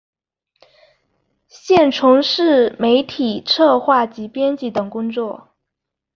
现从事媒体策划及编辑等工作。